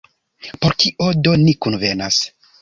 Por kio do ni kunvenas?